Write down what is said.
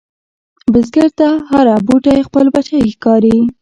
بزګر ته هره بوټۍ خپل بچی ښکاري